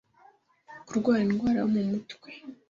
Kurwara indwara yo mu mutwe